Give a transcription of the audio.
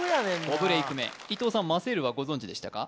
５ブレイク目伊藤さんませるはご存じでしたか？